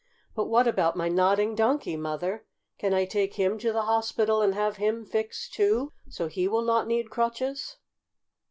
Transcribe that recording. "But what about my Nodding Donkey, Mother? Can I take him to the hospital and have him fixed, too, so he will not need crutches?"